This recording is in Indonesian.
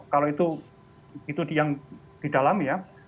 kalau itu yang di dalam ya